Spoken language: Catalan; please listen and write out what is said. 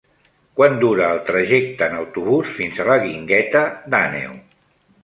Quant dura el trajecte en autobús fins a la Guingueta d'Àneu?